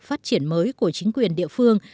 phát triển mới của chính quyền địa phương